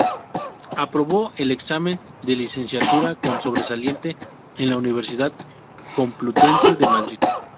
Aprobó el examen de licenciatura con sobresaliente en la Universidad Complutense de Madrid.